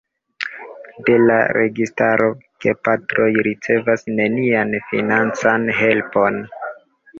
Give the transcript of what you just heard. De la registaro gepatroj ricevas nenian financan helpon.